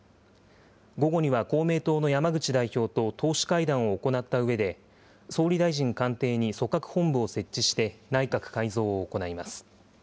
午後には公明党の山口代表と党首会談を行ったうえで、総理大臣官邸に組閣本部を設置して内閣改造を行います。